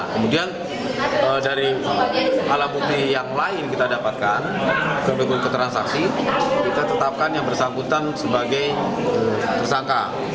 kemudian dari alat bukti yang lain kita dapatkan ke dokumen keterangan saksi kita tetapkan yang bersangkutan sebagai tersangka